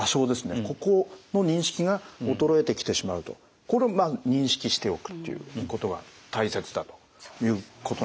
ここの認識が衰えてきてしまうとこれをまあ認識しておくということが大切だということなんですねはい。